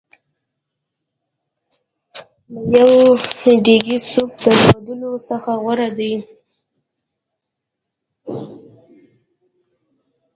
له یوه ډېګي سوپ درلودلو څخه غوره دی.